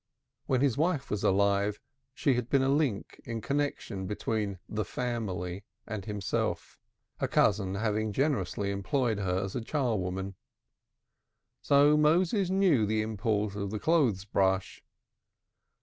When his wife was alive, she had been a link of connection between "The Family" and himself, her cousin having generously employed her as a char woman. So Moses knew the import of the clothes brush.